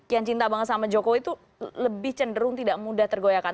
yang cinta banget sama jokowi itu lebih cenderung tidak mudah tergoyakan